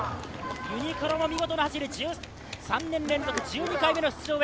ユニクロも見事な走り、３年連続１２回目の出場。